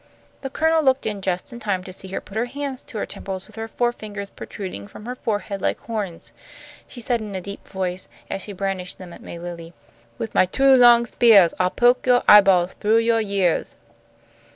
The Colonel looked in just in time to see her put her hands to her temples, with her forefingers protruding from her forehead like horns. She said in a deep voice, as she brandished them at May Lilly, "With my two long speahs I'll poke yo' eyeballs through yo' yeahs."